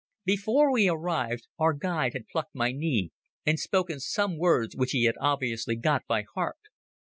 Before we arrived our guide had plucked my knee and spoken some words which he had obviously got by heart.